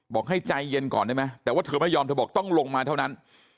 บอกให้ใจเย็นก่อนได้ไหมแต่ว่าเธอไม่ยอมเธอบอกต้องลงมาเท่านั้น